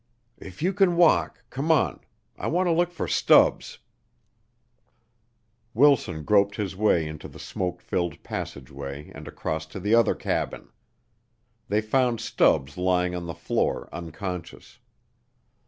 "If you can walk, come on. I want to look for Stubbs." Wilson groped his way into the smoke filled passageway and across to the other cabin. They found Stubbs lying on the floor unconscious.